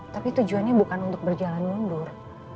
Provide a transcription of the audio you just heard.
tapi tujuannya bukan untuk berjalan mundur